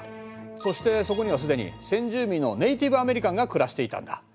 そしてそこには既に先住民のネイティブアメリカンが暮らしていたんだ。